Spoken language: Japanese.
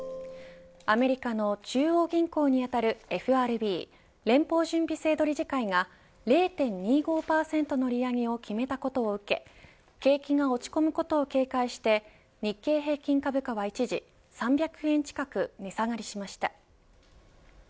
アメリカの中央銀行にあたるＦＲＢ連邦準備制度理事会が０．２５％の利上げを決めたことを受け景気が落ち込むことを警戒して日経平均株価は一時３００円近く値下がりしました。